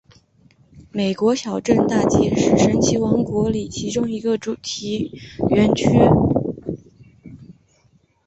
美国小镇大街是神奇王国里其中一个主题园区。